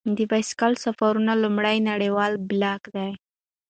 د بایسکل سفرونو لومړنی نړیواله بېلګه دی.